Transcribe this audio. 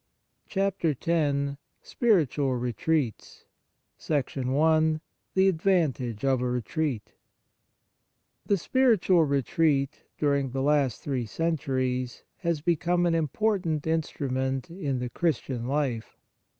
132 CHAPTER X SPIRITUAL RETREATS I The Advantage of a Retreat THE spiritual retreat, during the last three centuries, has become an important instrument in the Chris tian life.